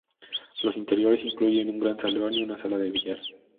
Los interiores incluyen un gran salón y una sala de billar.